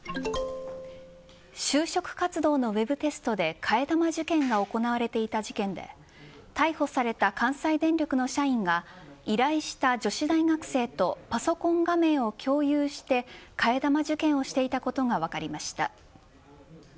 就職活動のウェブテストで替え玉受験が行われていた事件で逮捕された関西電力の社員が依頼した女子大学生とパソコン画面を共有して替え玉受験をしていたことが分かりました。